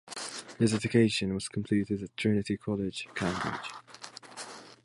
His education was completed at Trinity College, Cambridge.